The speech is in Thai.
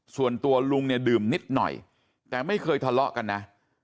ส่วนตัวลุงเนี่ยดื่มนิดหน่อยแต่ไม่เคยทะเลาะกันนะ